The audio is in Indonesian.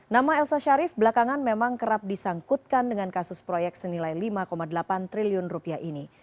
nama elsa sharif belakangan memang kerap disangkutkan dengan kasus proyek senilai lima delapan triliun rupiah ini